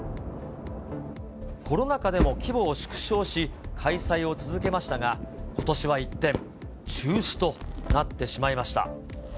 コロナ禍でも規模を縮小し、開催を続けましたが、ことしは一転、中止となってしまいました。